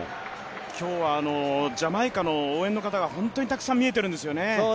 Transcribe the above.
今日はジャマイカの応援の方が本当にたくさん見えてるんですよね。